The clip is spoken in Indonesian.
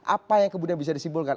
apa yang kemudian bisa disimpulkan